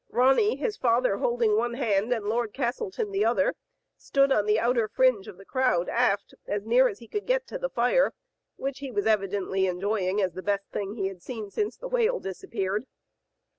Ronny, his father holding one hand and Lord Castleton the other, stood on the outer fringe of the crowd aft, as near as he could get to the fire, which he was evidently enjoying as the best thing he had seen since the whale disappeared.